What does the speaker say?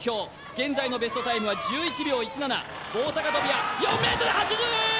現在のベストタイムは１１秒１７棒高跳びは４ｍ８０